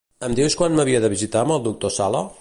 Em dius quan m'havia de visitar amb el doctor Sala?